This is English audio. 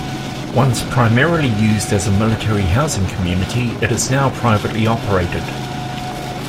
Once primarily used as a military housing community, it is now privately operated.